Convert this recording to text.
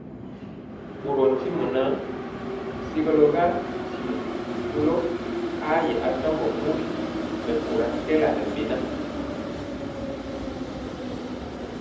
Ɓorɔɔ ntimɔ ŋan, segɔlɔ ga ntimɔ kɔlo ayɛ atɔmbɔ mori mɛkóra kɛɛla ŋɛ beŋa.